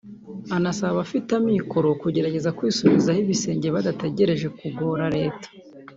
anasaba abafite amikoro kugerageza kwisubirizaho ibisenge badategereje kugora Leta